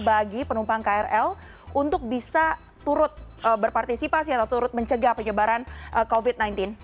bagi penumpang krl untuk bisa turut berpartisipasi atau turut mencegah penyebaran covid sembilan belas